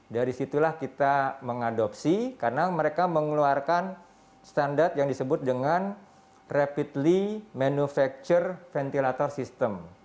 dari situlah kita mengadopsi karena mereka mengeluarkan standar yang disebut dengan rapidly manufacture ventilator system